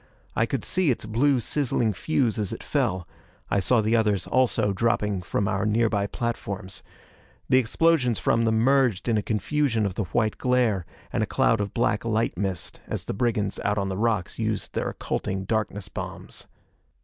I could see its blue sizzling fuse as it fell. I saw the others also dropping from our nearby platforms. The explosions from them merged in a confusion of the white glare and a cloud of black light mist as the brigands out on the rocks used their occulting darkness bombs.